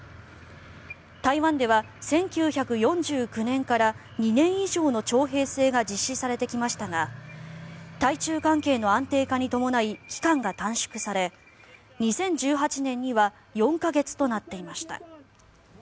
台湾では１９４９年から２年以上の徴兵制が実施されてきましたが対中関係の安定化に伴い期間が短縮され２０１８年には４か月となっていました。